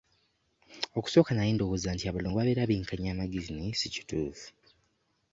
Okusooka nali ndowooza nti abalongo babeera benkanya amagezi naye si kituufu.